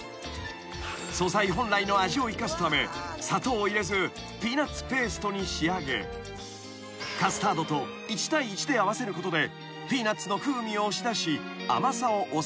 ［素材本来の味を生かすため砂糖を入れずピーナツペーストに仕上げカスタードと１：１で合わせることで］